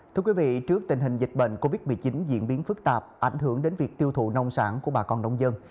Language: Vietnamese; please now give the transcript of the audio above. thưa quý vị trước tình hình dịch bệnh covid một mươi chín diễn biến phức tạp ảnh hưởng đến việc tiêu thụ nông sản của bà con nông dân